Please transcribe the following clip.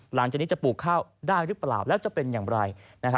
หลังจากนี้จะปลูกข้าวได้หรือเปล่าแล้วจะเป็นอย่างไร